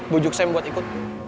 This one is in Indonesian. bujuk sam buat ikut